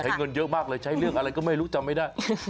เงินเยอะมากเลยใช้เรื่องอะไรก็ไม่รู้จำไม่ได้